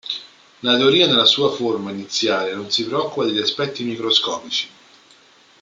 La teoria nella sua forma iniziale non si preoccupa degli aspetti microscopici.